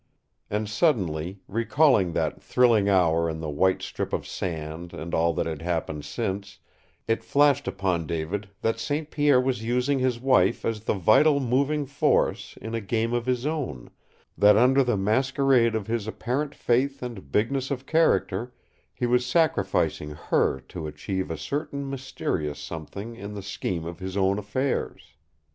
And suddenly, recalling that thrilling hour in the white strip of sand and all that had happened since, it flashed upon David that St. Pierre was using his wife as the vital moving force in a game of his own that under the masquerade of his apparent faith and bigness of character he was sacrificing her to achieve a certain mysterious something it the scheme of his own affairs.